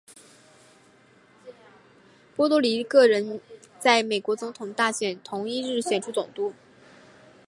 波多黎各人在美国总统大选同一日选出总督。